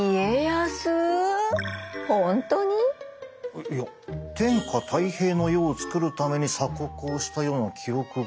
えっいや天下泰平の世をつくるために鎖国をしたような記憶が。